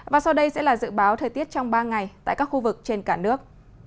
và sau đây sẽ là dự báo thời tiết trong ba ngày tại các khu vực trên cả nước